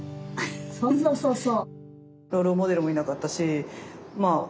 そうそうそうそう。